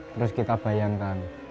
terus kita bayangkan